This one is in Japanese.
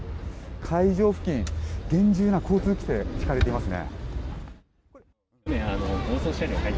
会場付近、厳重な交通規制が敷かれていますね。